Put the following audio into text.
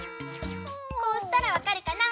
こうしたらわかるかな？